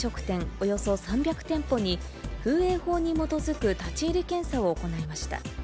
およそ３００店舗に、風営法に基づく立ち入り検査を行いました。